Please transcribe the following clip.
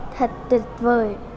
thật tuyệt vời